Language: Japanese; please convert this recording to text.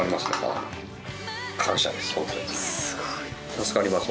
助かります